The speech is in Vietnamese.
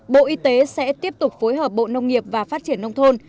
bộ y tế sẽ tiếp tục phối hợp bộ nông nghiệp và phát triển nông thôn